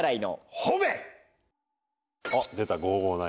あっ出た５５９。